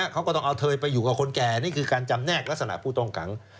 เขาก็ต้องเอาเธอไปอยู่กับคนแก่นี่คือการจำแนกลักษณะผู้ต้องขัง